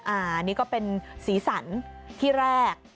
อันนี้ก็เป็นสีสันที่แรก